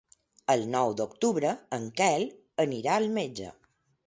El nou d'octubre en Quel irà al metge.